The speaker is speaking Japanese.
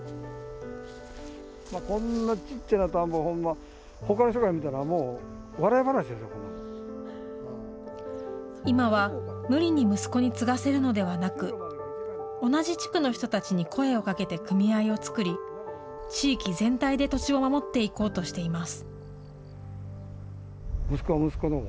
こんな小っちゃな田んぼ、ほんま、ほかの人から見たらもう、今は、無理に息子に継がせるのではなく、同じ地区の人たちに声をかけて組合を作り、地域全体で土地を守っていこうとしています。